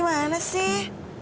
kamu tuh ngapain sih di sini